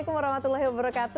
assalamualaikum wr wb